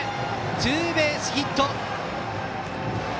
ツーベースヒット。